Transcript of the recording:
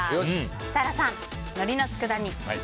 設楽さん、のりのつくだ煮。